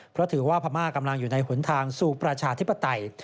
เพราะถือว่าพม่ากำลังอยู่ในหนทางสู่ประชาธิปไตย